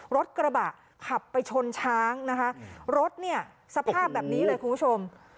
รถกระบะขับไปชนช้างนะคะรถเนี่ยสภาพแบบนี้เลยคุณผู้ชม